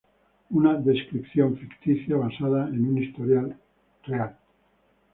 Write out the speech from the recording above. Una descripción ficticia basada en una historia real.